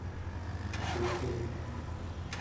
tuqu